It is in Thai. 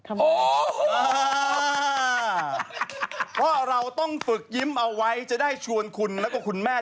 ทำไมพอเราต้องฝึกยิ้มเอาไว้จะได้ชวนคุณและคุณแม่